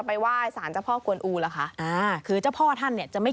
ไม่กินเจก็คือกินเนื้อ